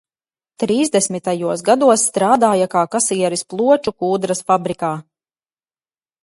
Trīsdesmitajos gados strādāja kā kasieris Ploču kūdras fabrikā.